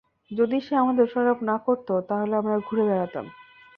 যদি সে আমাদের দেখাশোনা না করত, তাহলে আমরা ঘুড়ে বেড়াতাম।